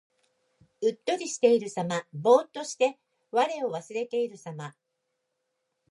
うっとりしているさま。ぼうっとして我を忘れているさま。